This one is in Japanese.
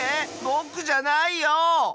ぼくじゃないよ！